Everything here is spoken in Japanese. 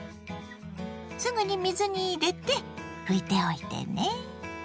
すぐに水に入れて拭いておいてね。